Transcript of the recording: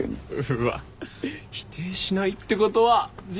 うわ否定しないってことは事実だ！